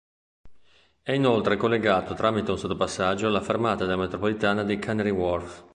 È inoltre collegato tramite un sottopassaggio alla fermata della metropolitana di Canary Wharf.